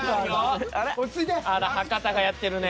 あら博多がやってるね。